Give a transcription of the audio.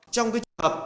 trong cái trường hợp